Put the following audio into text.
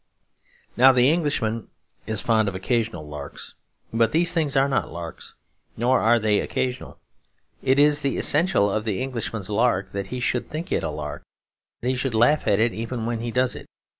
Now the Englishman is fond of occasional larks. But these things are not larks; nor are they occasional. It is the essential of the Englishman's lark that he should think it a lark; that he should laugh at it even when he does it.